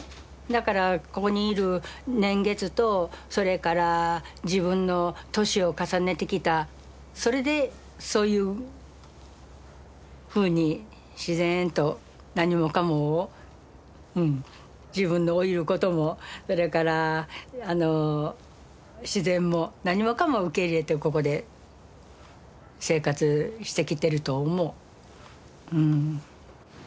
だからここにいる年月とそれから自分の年を重ねてきたそれでそういうふうに自然と何もかもを自分の老いることもそれから自然も何もかも受け入れてここで生活してきてると思う。